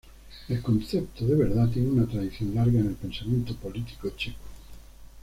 El concepto de verdad tiene una tradición larga en el pensamiento político checo.